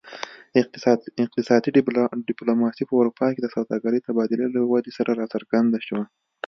اقتصادي ډیپلوماسي په اروپا کې د سوداګرۍ تبادلې له ودې سره راڅرګنده شوه